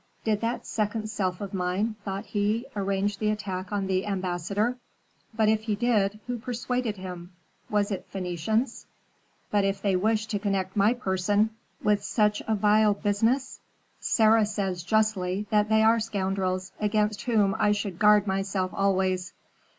"Did that second self of mine," thought he, "arrange the attack on the ambassador? But if he did, who persuaded him? Was it Phœnicians? But if they wished to connect my person with such a vile business? Sarah says, justly, that they are scoundrels against whom I should guard myself always."